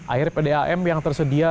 air pdam yang tersedia